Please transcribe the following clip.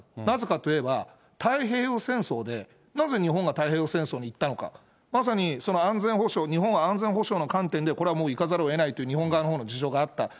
なぜかといえば、太平洋戦争でなぜ日本が太平洋戦争に行ったのか、まさに安全保障、日本は安全保障の観点で、これはもういかざるをえないという日本側の事情があった。